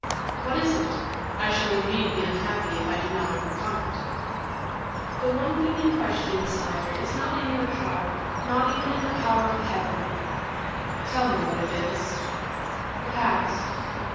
"What is it? I shall indeed be unhappy if I do not overcome it." "That one thing in question, sire, is not in your power, not even in the power of Heaven." "Tell me what it is." "The past."